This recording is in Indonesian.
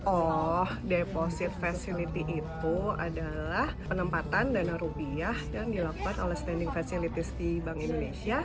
oh deposit facility itu adalah penempatan dana rupiah yang dilakukan oleh standing facilities di bank indonesia